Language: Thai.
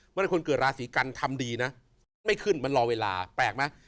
เมื่อคนเกิดราศีกันทำดีนะคิดไม่ขึ้นมันรอเวลาแปลกไหม